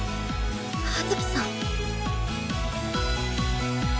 葉月さん。